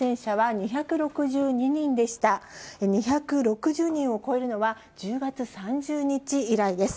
２６０人を超えるのは１０月３０日以来です。